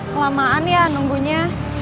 kelamaan ya nunggunya